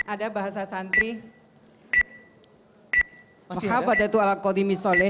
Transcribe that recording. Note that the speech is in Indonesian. ada bahasa santri